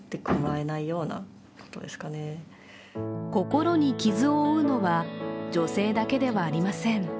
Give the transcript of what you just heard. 心に傷を負うのは女性だけではありません。